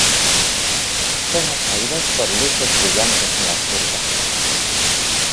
Son atraídos por luces brillantes en la oscuridad.